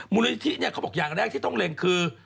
มูลนิธิเนี่ยเขาบอกอย่างแรกที่ต้องเล็งคือ